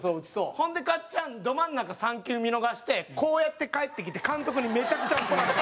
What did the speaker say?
ほんでカッちゃんど真ん中３球見逃してこうやって帰ってきて監督にめちゃくちゃ怒られた。